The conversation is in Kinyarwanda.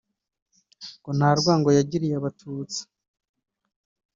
ngo nta rwango yagiriye Abatutsi